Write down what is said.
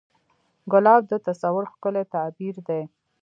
ګلاب د تصور ښکلی تعبیر دی.